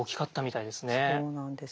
そうなんです。